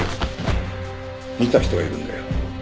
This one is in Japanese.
見た人がいるんだよ。